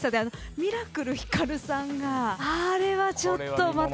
ミラクルひかるさんがあれはちょっとまた衝撃的な。